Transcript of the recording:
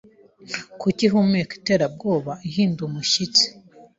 Kuki ihumeka iterabwoba ihinda umushyitsi